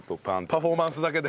パフォーマンスだけで？